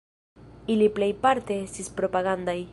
Ili plejparte estis propagandaj.